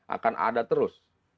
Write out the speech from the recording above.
akan ada terus